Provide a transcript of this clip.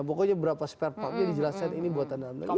pokoknya berapa spare pump nya dijelaskan ini buatan dalam negeri